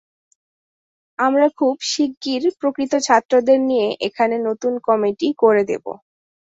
আমরা খুব শিগগির প্রকৃত ছাত্রদের নিয়ে এখানে নতুন কমিটি করে দেব।